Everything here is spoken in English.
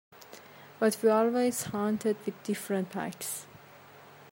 But we always hunted with different packs.